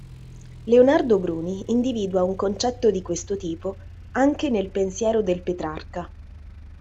Leonardo Bruni individua un concetto di questo tipo anche nel pensiero del Petrarca.